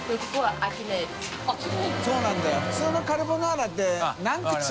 普通のカルボナーラって晋㈭